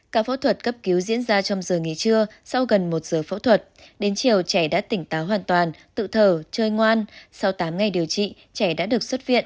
ca phẫu thuật cấp cứu diễn ra trong giờ nghỉ trưa sau gần một giờ phẫu thuật đến chiều trẻ đã tỉnh táo hoàn toàn tự thở chơi ngoan sau tám ngày điều trị trẻ đã được xuất viện